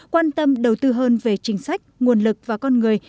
quan tâm đầu tư hơn về chính sách nguồn lực và con người